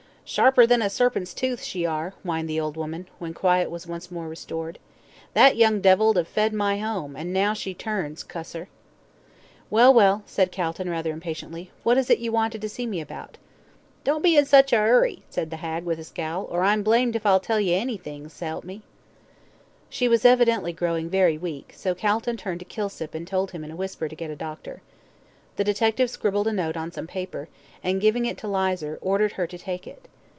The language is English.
"Sharper than a serpent's tooth, she are," whined the old woman, when quiet was once more restored. "That young devil 'ave fed at my 'ome, an' now she turns, cuss her." "Well well," said Calton, rather impatiently, "what is it you wanted to see me about?" "Don't be in such a 'urry," said the hag, with a scowl, "or I'm blamed if I tell you anything, s'elp me." She was evidently growing very weak, so Calton turned to Kilsip and told him in a whisper to get a doctor. The detective scribbled a note on some paper, and, giving it to Lizer, ordered her to take it.